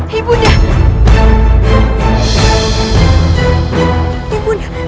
membuatkan bangunan ibunya